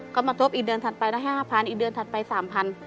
ก็มาทบอีกเดือนถัดไปได้๕๐๐อีกเดือนถัดไป๓๐๐บาท